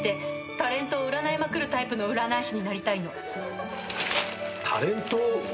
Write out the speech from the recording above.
「タレントを占いまくるタイプの占い師」だと？